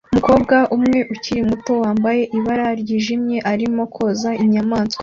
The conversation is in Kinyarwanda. Umukobwa umwe ukiri muto wambaye ibara ryijimye arimo koza inyamaswa